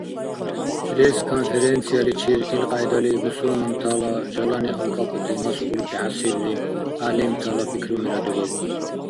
Пресс-конференцияличир илкьяйдали бусурмантала жалани алкӏахъути масъулти хӏясибли гӏялимтала пикрумира дуриб.